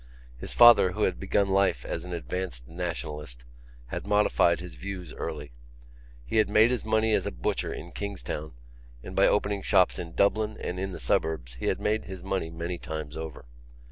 His father, who had begun life as an advanced Nationalist, had modified his views early. He had made his money as a butcher in Kingstown and by opening shops in Dublin and in the suburbs he had made his money many times over.